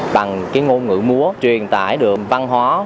bằng cái ngôn ngữ múa truyền tải được văn hóa